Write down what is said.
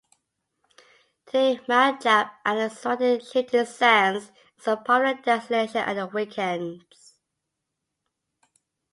Today Maranjab and the surrounding Shifting Sands is a popular destination at the weekends.